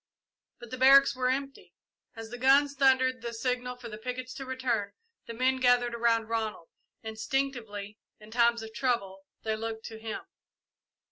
But the barracks were empty. As the guns thundered the signal for the pickets to return, the men gathered around Ronald. Instinctively, in times of trouble, they looked to him.